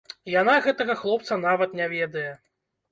Яна гэтага хлопца нават не ведае.